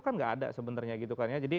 kan tidak ada sebenarnya jadi